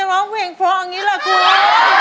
ร้องเพลงพร้อมอย่างนี้แหละครับ